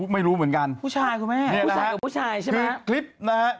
ไม่รู้เหมือนกันผู้ชายคุณแม่ผู้ชายกับผู้ชายใช่ไหมคลิปนะฮะ